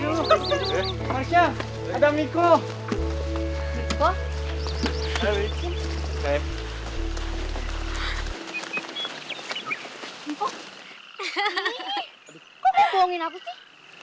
miki kok kamu duungin aku sih